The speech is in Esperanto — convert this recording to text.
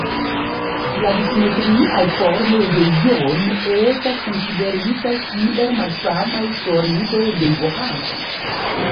La du simetriaj formoj de "J" ne estas konsideritaj kiel malsamaj solidoj de Johnson.